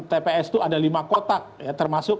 tps itu ada lima kotak ya termasuk